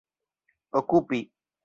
okupi